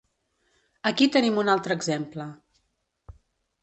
Aquí tenim un altre exemple.